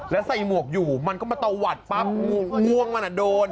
แล้วใส่หมวกอยู่มันก็มาตะวัดปั๊บง่วงมันโดน